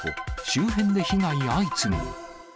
周辺で被害相次ぐ。